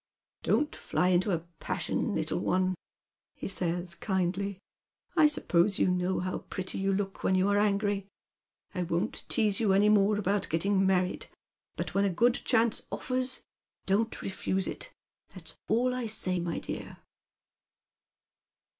" Don't fly into a passion, little one," he says, kindly. " I sup pose you know how pretty you look when you are angry. I won't tease you any more about getting married, but when a good chance offers don't refuse it. That's all I say, my dear."